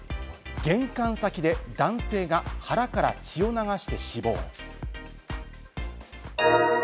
玄関先で男性が腹から血を流して死亡。